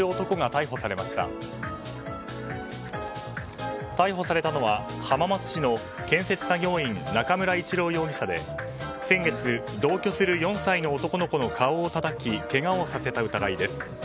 逮捕されたのは浜松市の建設作業員中村一郎容疑者で先月、同居する４歳の男の子の顔をたたきけがをさせた疑いです。